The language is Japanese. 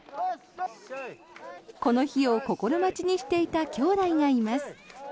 この日を心待ちにしていた兄弟がいます。